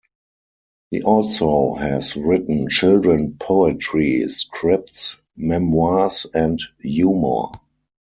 He also has written children poetry, scripts, memoirs and humour.